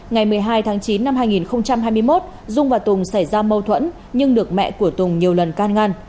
ngày một mươi hai tháng chín năm hai nghìn hai mươi một dung và tùng xảy ra mâu thuẫn nhưng được mẹ của tùng nhiều lần can ngăn